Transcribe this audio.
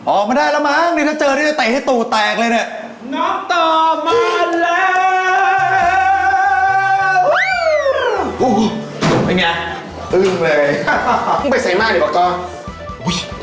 ออกมาได้ละมั้งถ้าเจอได้จะไตให้ตูแตกเลยเนี่ย